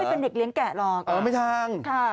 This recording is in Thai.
เขาไม่เป็นเด็กเลี้ยงแก่หรอกไม่ทาง